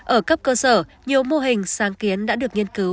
ở cấp cơ sở nhiều mô hình sáng kiến đã được nghiên cứu